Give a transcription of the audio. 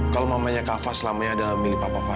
kalau mamanya kava selamanya adalah milik papa fadil ya kan